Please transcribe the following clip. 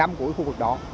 hàng năm của khu vực đó